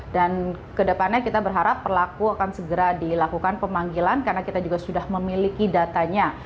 dan ke depannya kita berharap pelaku akan segera dilakukan pemanggilan karena kita juga sudah memiliki datanya